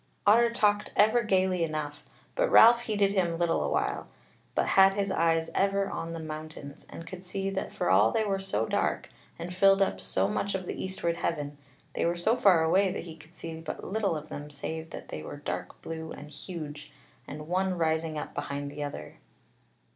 Otter talked ever gaily enough; but Ralph heeded him little a while, but had his eyes ever on the mountains, and could see that for all they were so dark, and filled up so much of the eastward heaven, they were so far away that he could see but little of them save that they were dark blue and huge, and one rising up behind the other.